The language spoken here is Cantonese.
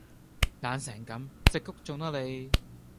懶成咁！食谷種啦你